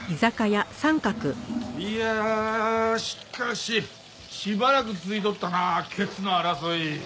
いやあしかししばらく続いとったなケツの争い。